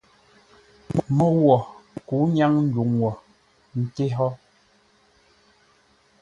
Môu wo kə̌u ńnyáŋ ndwuŋ wo ńté hó.